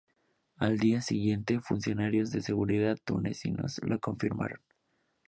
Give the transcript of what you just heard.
Al día siguiente, funcionarios de seguridad tunecinos lo confirmaron.